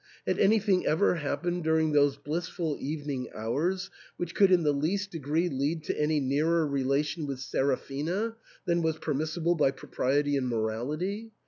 Had anything ever happened during those blissful evening hours which could in the least degree lead to any nearer relation with Seraphina than was permissible by propriety and morality